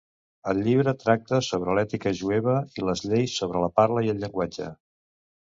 El llibre tracta sobre l'ètica jueva i les lleis sobre la parla i el llenguatge.